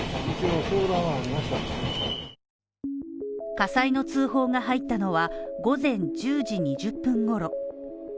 火災の通報が入ったのは午前１０時２０分ごろ。